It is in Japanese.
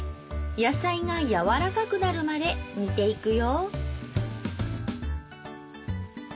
野菜がやわらかくなるまで煮ていくよ